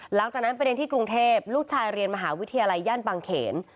หลังจากนั้นไปเรียนที่กรุงเทพลูกชายเรียนมหาวิทยาลัยย่านบางเขน